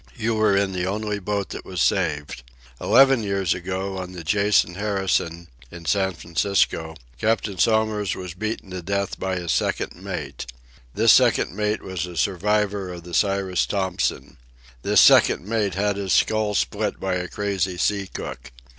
You were in the only boat that was saved. Eleven years ago, on the Jason Harrison, in San Francisco, Captain Somers was beaten to death by his second mate. This second mate was a survivor of the Cyrus Thompson. This second mate'd had his skull split by a crazy sea cook.